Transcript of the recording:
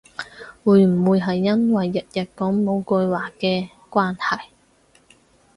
會唔會係因為日日講某句話嘅關係